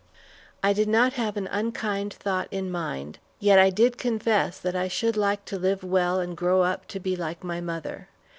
I did not have an unkind thought in mind, yet I did confess that I should like to live well and grow up to be like my mother.